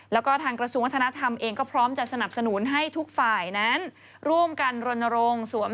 แล้วก็ทางกระทรวงวัฒนธรรมเองก็พร้อมจะสนับสนุนให้ทุกฝ่ายนั้นร่วมกันรณรงค์